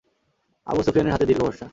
আবু সুফিয়ানের হাতে দীর্ঘ বর্শা।